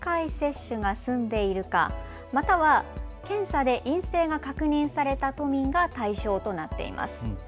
まずワクチンの３回接種が済んでいるか、または検査で陰性が確認された都民が対象となっています。